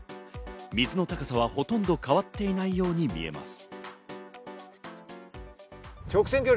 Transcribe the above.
水の高さはほとんど変わっていないように見えます。